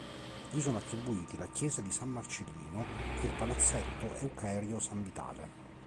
Gli sono attribuiti la chiesa di San Marcellino e il palazzetto Eucherio Sanvitale.